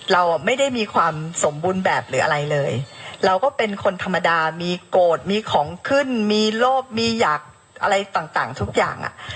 เราไม่ได้มีความสมบูรณ์แบบหรืออะไรเลยเราก็เป็นคนธรรมดามีโกรธมีของขึ้นมีโลภมีอยากอะไรต่างทุกอย่างอ่ะ